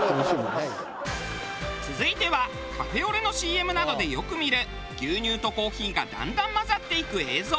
続いてはカフェオレのＣＭなどでよく見る牛乳とコーヒーがだんだん混ざっていく映像。